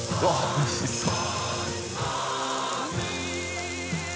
おいしそう。